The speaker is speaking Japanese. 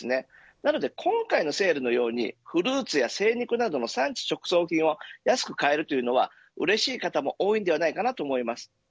なので、今回のセールのようにフルーツや精肉などの産地直送品を安く買えるというのはうれしい方も多いのではないかなと思います。